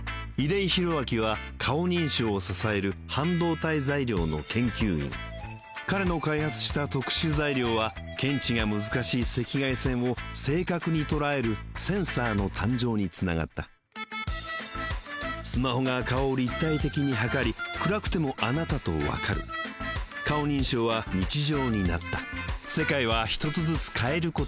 出井宏明は顔認証を支える半導体材料の研究員彼の開発した特殊材料は検知が難しい赤外線を正確に捉えるセンサーの誕生につながったスマホが顔を立体的に測り暗くてもあなたとわかる顔認証は日常になったここからはお天気です。